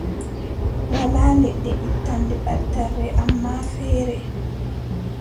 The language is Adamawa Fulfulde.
Walaa leɗɗe ittanɗe ɓattarre, ammaa feere,